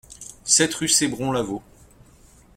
sept rue Cesbron Lavau